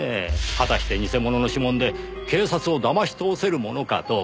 果たして偽物の指紋で警察を騙し通せるものかどうか。